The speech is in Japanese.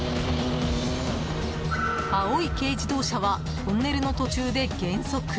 青い軽自動車はトンネルの途中で減速。